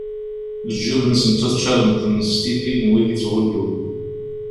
Leǧyub-nsen ttaččaren-ten, s tidi n wid i ttɣullun.